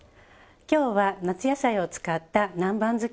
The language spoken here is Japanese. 今日は夏野菜を使った南蛮漬けを作ります。